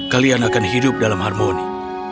kalian akan hidup dalam harmoni